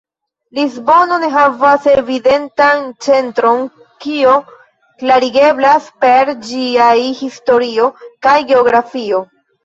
Lisbono ne havas evidentan centron, kio klarigeblas per ĝiaj historio kaj geografio.